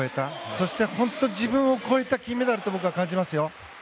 そして、本当に自分を超えた金メダルと僕は感じますよ。